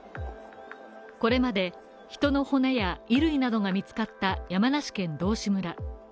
これまで人の骨や衣類などが見つかった山梨県道志村。